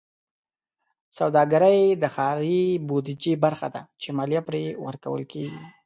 سوداګرۍ د ښاري بودیجې برخه ده چې مالیه پرې ورکول کېږي.